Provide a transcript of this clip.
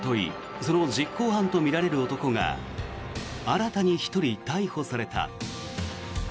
その実行犯とみられる男が新たに１人、逮捕された。